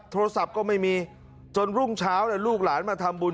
โทรศัพท์ก็ไม่มีจนรุ่งเช้าลูกหลานมาทำบุญ